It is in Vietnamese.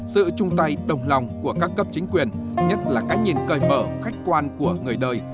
sự chung tay đồng lòng của các cấp chính quyền nhất là cái nhìn cởi mở khách quan của người đời